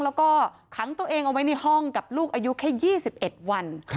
แล้วก็ขังตัวเองเอาไว้ในห้องกับลูกอายุแค่๒๑วัน